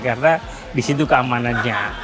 karena di situ keamanannya